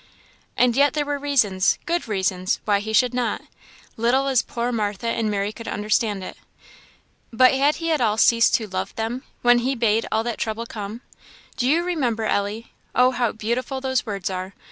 "And yet there were reasons, good reasons, why he should not, little as poor Martha and Mary could understand it. But had he at all ceased to love them when he bade all that trouble come? Do you remember, Ellie oh, how beautiful those words are!